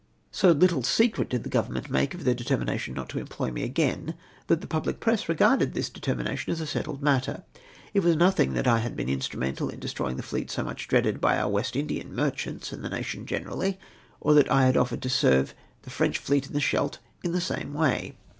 So little secret did the Government make of their determination not to employ me again, that the public ])ress regarded this determination as a settled matter. It was nothing that I had been instrumental in destroy ing the fleet so much dreaded by oiu West India mer chants and the nation generally, or that I had offered to serve the French fleet in the Scheldt in the same way.